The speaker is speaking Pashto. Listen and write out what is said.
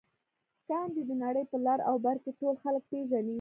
ګاندي د نړۍ په لر او بر کې ټول خلک پېژني